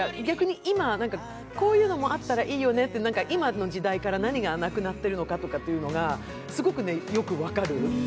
逆に今、こういうのもあったらいいよねと、今の時代から何がなくなっているのかということがすごくよく分かる。